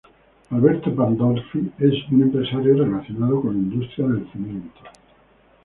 Alberto Pandolfi es un empresario relacionado con la industria del cemento.